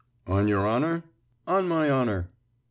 "On your honour?" "On my honour."